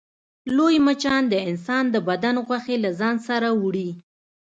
لوی مچان د انسان د بدن غوښې له ځان سره وړي